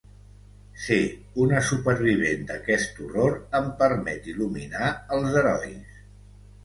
Ser una supervivent d’aquest horror em permet il·luminar els herois.